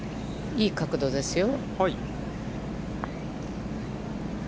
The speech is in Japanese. いい角度ですよ。